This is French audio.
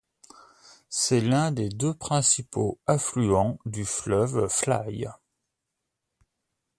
C'est l'un des deux principaux affluents du fleuve Fly.